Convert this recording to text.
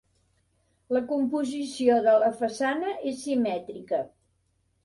La composició de la façana és simètrica.